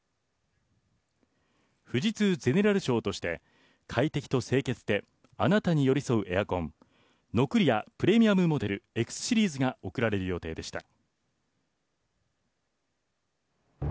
富士通ゼネラル賞として快適と清潔であなたに寄り添うエアコンｎｏｃｒｉａプレミアムモデルＸシリーズが贈られる予定でした。